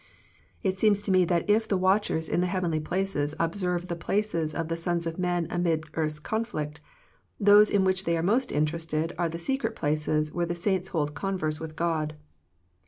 It seems to me that if the watchers in the heav enly places observe the places of the sons of men amid earth's conflict, those in which they are most interested are the secret places where the saints hold converse with God.